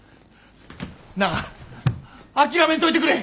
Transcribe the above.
なあ諦めんといてくれ！